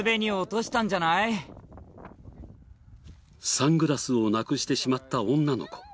サングラスをなくしてしまった女の子。